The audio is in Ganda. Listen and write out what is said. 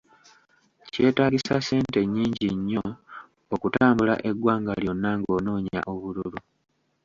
Kyetaagisa ssente nnyingi nnyo okutambula eggwanga lyonna ng'onoonya obululu.